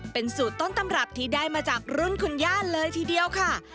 เป็นสูตรต้นตำรับที่ได้มาจากรุ่นคุณย่าเลยทีเดียวค่ะ